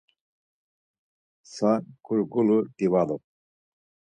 Mtsa, gurgulu. Divalu.